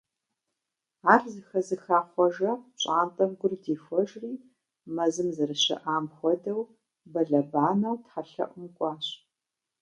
Ар зэхэзыха Хъуэжэ пщӀантӀэм гур дихуэжри, мэзым зэрыщыӀам хуэдэу, бэлэбанэу тхьэлъэӀум кӀуащ.